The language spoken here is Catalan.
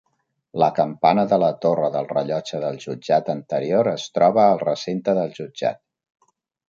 La campana de la torre del rellotge del jutjat anterior es troba al recinte del jutjat.